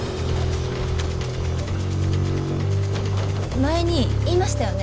前に言いましたよね。